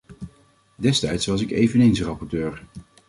Destijds was ik eveneens rapporteur.